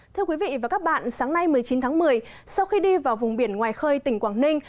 thưa quý vị và các bạn sáng nay một mươi chín tháng một mươi sau khi đi vào vùng biển ngoài khơi tỉnh quảng ninh